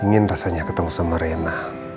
ingin rasanya ketemu sama rena